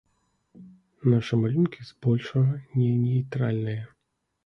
Нашы малюнкі, збольшага, не нейтральныя.